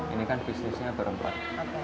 ini kan bisnisnya berempat